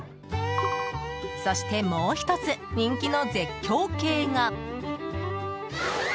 そして、もう１つ人気の絶叫系が。